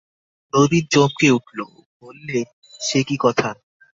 নবীন চমকে উঠল, বললে, সে কী কথা?